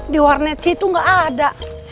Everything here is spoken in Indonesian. di warnet situ gak ada